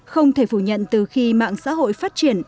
không thể phủ nhận từ khi mạng xã hội phát triển